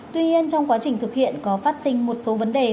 tuy nhiên trong quá trình thực hiện có phát sinh một số vấn đề